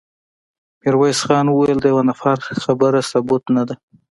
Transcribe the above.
ميرويس خان وويل: د يوه نفر خبره ثبوت نه ده.